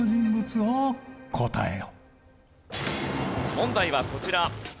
問題はこちら。